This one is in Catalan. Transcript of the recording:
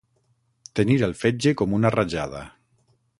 Tenir el fetge com una rajada.